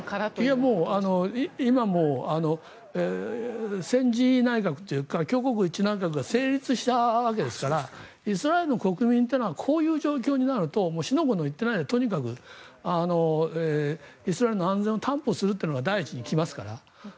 いえ今も戦時内閣というか挙国一致内閣が成立したわけですからイスラエル国民というのはこういう状況になると四の五の言っていないでとにかくイスラエルの安全を担保するというのが第一に来ますから。